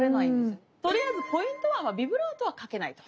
とりあえずポイントはビブラートはかけないと。